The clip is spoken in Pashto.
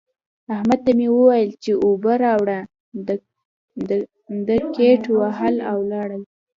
احمد ته مې وويل چې اوبه راوړه؛ ده ګيت وهل او ولاړ.